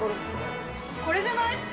これじゃない？